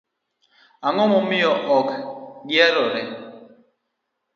Ang'o momiyo ok gi herore?